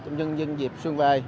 nhân dân dịp xuân về